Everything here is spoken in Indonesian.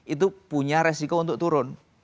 itu punya resiko untuk turun